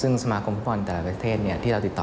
ซึ่งสมาคมฟุตบอลแต่ละประเทศที่เราติดต่อ